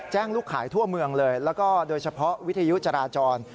ลูกขายทั่วเมืองเลยแล้วก็โดยเฉพาะวิทยุจราจร